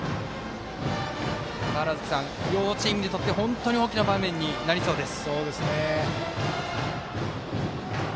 川原崎さん、両チームにとって大きな場面になりそうです。